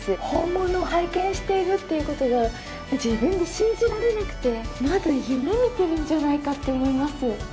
本物を拝見してるっていうことが自分で信じられなくてまだ夢見てるんじゃないかって思います。